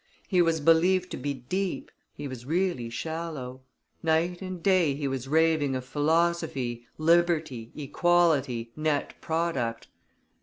He was believed to be deep, he was really shallow; night and day he was raving of philosophy, liberty, equality, net product."